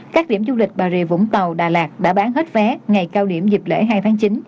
các điểm du lịch bà rịa vũng tàu đà lạt đã bán hết vé ngày cao điểm dịp lễ hai tháng chín